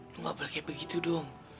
lo gak boleh kayak begitu dong